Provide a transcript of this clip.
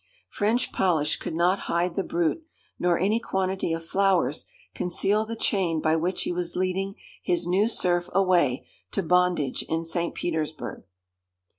French polish could not hide the brute, nor any quantity of flowers conceal the chain by which he was leading his new serf away to bondage in St. Petersburg.